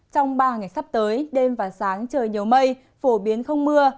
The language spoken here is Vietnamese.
trong ba ngày sắp tới đêm và sáng trời nhiều mây phổ biến không mưa